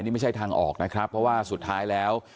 นี่ไม่ใช่ทางออกนะครับเพราะว่าสุดท้ายแล้ว